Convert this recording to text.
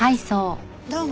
どうも。